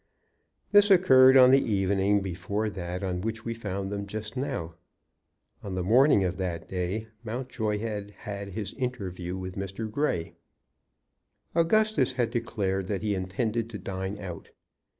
This occurred on the evening before that on which we found them just now. On the morning of that day Mountjoy had had his interview with Mr. Grey. Augustus had declared that he intended to dine out.